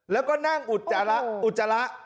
แล้วก็นั่งอุจจาระ